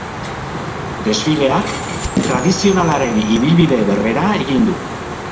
Desfileak tradizionalaren ibilbide berbera egin du.